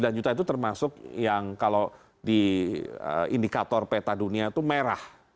sembilan juta itu termasuk yang kalau di indikator peta dunia itu merah